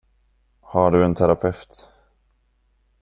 Har du en terapeut?